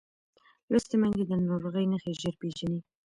لوستې میندې د ناروغۍ نښې ژر پېژني.